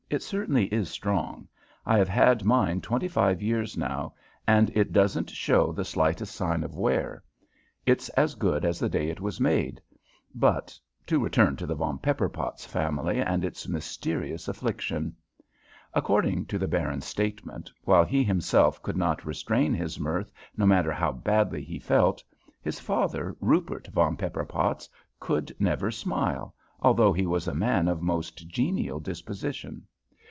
"It certainly is strong. I have had mine twenty five years now, and it doesn't show the slightest sign of wear. It's as good as the day it was made. But to return to the Von Pepperpotz family and its mysterious affliction. "According to the Baron's statement, while he himself could not restrain his mirth, no matter how badly he felt, his father, Rupert von Pepperpotz, could never smile, although he was a man of most genial disposition.